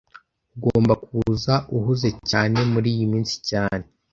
Ugomba kuba uhuze cyane muriyi minsi cyane